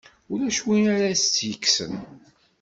Ulac win ara s-tt-yekksen.